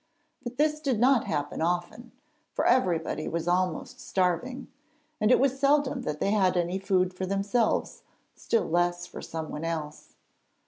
But this did not happen often, for everybody was almost starving, and it was seldom that they had any food for themselves, still less for anyone else.